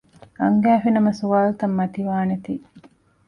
އަންގައިފި ނަމަ ސުވާލުތައް މަތިވާނޭތީ